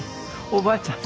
おばあちゃん